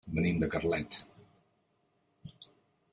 Venim de Carlet.